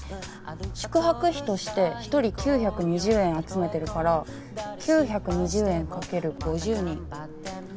宿泊費として一人９２０円集めてるから９２０円かける５０人。